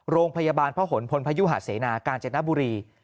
โรงพยาบาลพระหลพลพยุหาเสนากาญจนบุรี